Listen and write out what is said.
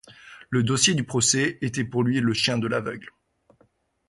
Le dossier du procès était pour lui le chien de l'aveugle.